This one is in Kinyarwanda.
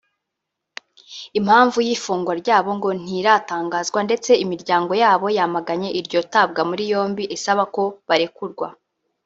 impamvu y’ifungwa ryabo ngo ntiratangazwa ndetse imiryango yabo yamaganye iryo tabwa muri yombi isaba ko barekurwa